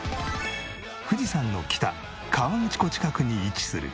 富士山の北河口湖近くに位置する。